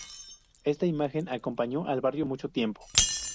Esta imagen acompañó al barrio mucho tiempo.